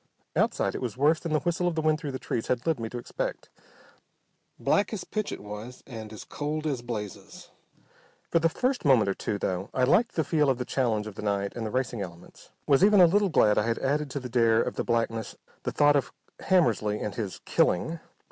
Outside it was worse than the whistle of the wind through the trees had led me to expect. Black as pitch it was, and as cold as blazes. For the first moment or two, though, I liked the feel of the challenge of the night and the racing elements, was even a little glad I had added to the dare of the blackness the thought of Hammersly and his "killing."